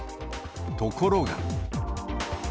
ところが。